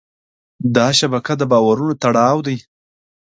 دا شبکه د باورونو تړاو دی.